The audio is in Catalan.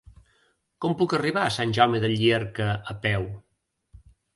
Com puc arribar a Sant Jaume de Llierca a peu?